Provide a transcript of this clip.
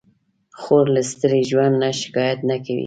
خور له ستړي ژوند نه شکایت نه کوي.